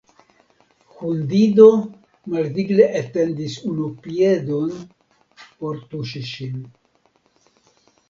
Hundido malvigle etendis unu piedon por tuŝi ŝin.